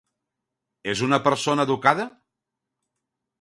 És una persona educada?